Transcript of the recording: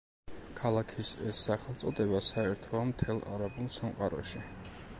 ქალაქის ეს სახელწოდება საერთოა მთელ არაბულ სამყაროში.